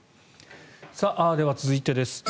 では、続いてです。